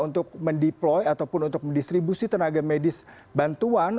untuk mendeploy ataupun untuk mendistribusi tenaga medis bantuan